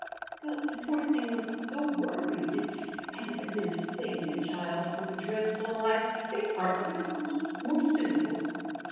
"Well, the poor thing was so worried, and if it meant saving a child from a dreadful life " "There are other schools more suitable."